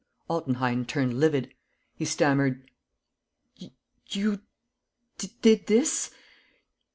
Altenheim turned livid. He stammered: "You did this?